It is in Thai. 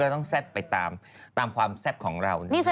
ต้องแซ่บไปตามความแซ่บของเรา